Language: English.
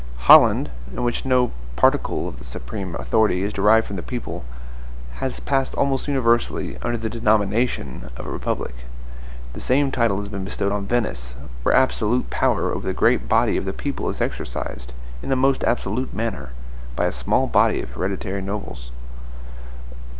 Holland, in which no particle of the supreme authority is derived from the people, has passed almost universally under the denomination of a republic. The same title has been bestowed on Venice, where absolute power over the great body of the people is exercised, in the most absolute manner, by a small body of hereditary nobles.